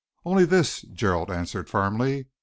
"Only this," Gerald answered firmly.